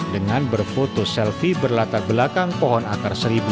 dengan berfoto selfie berlatar belakang pohon akar seribu